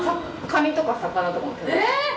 カニとか魚とかも。